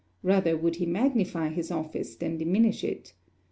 Rather would he magnify his office than diminish it.